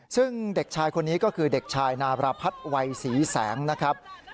ซึ่งเด็กชายคนนี้ก็คือเด็กชายนาบรพัฒน์วัยศรีแสงนะครับ